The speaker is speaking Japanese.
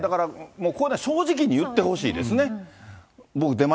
こういうのは正直に言ってほしいですね。